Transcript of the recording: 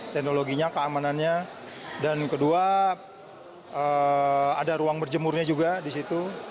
teknologinya keamanannya dan kedua ada ruang berjemurnya juga di situ